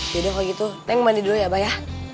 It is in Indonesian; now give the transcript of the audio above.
yaudah kalau gitu neng mandi dulu ya abah ya